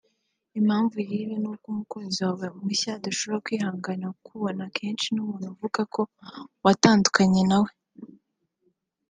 Impamvu y’ibi ni uko umukunzi wawe mushya adashobora kwihanganira kukubonana kenshi n’umuntu uvuga ko watandukanye nawe